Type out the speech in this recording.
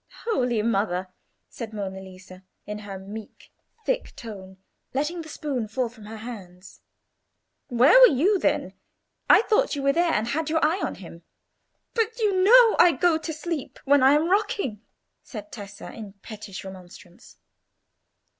"Holy Mother!" said Monna Lisa, in her meek, thick tone, letting the spoon fall from her hands. "Where were you, then? I thought you were there, and had your eye on him." "But you know I go to sleep when I am rocking," said Tessa, in pettish remonstrance.